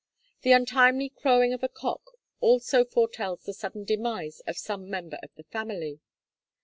The untimely crowing of a cock also foretells the sudden demise of some member of the family.